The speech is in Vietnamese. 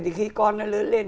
thì khi con nó lớn lên